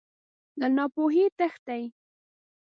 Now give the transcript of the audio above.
له ناپوهۍ تښتې.